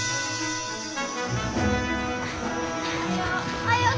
おはよう。